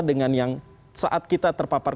dengan yang saat kita terpapar